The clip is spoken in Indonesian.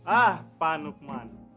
ah pak nukman